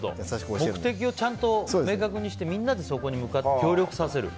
目的をちゃんと明確にしてみんなでそこに向かって協力させると。